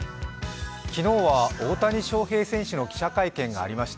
昨日は大谷翔平選手の記者会見がありました。